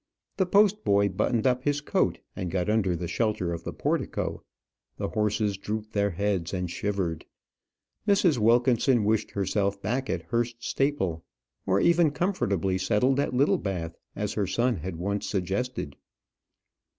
The post boy buttoned up his coat, and got under the shelter of the portico; the horses drooped their heads, and shivered. Mrs. Wilkinson wished herself back at Hurst Staple or even comfortably settled at Littlebath, as her son had once suggested.